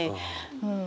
うん。